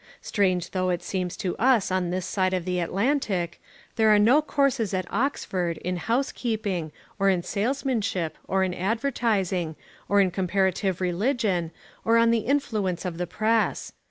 Strange though it seems to us on this side of the Atlantic, there are no courses at Oxford in Housekeeping, or in Salesmanship, or in Advertising, or on Comparative Religion, or on the influence of the Press.